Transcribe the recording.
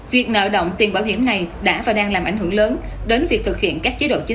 việc nợ động tiền bảo hiểm này đã và đang làm ảnh hưởng lớn đến việc thực hiện các chế độ chính